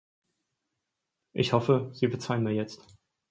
Ich hoffe, Sie verzeihen mir jetzt.